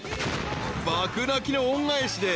［爆泣きの恩返しで］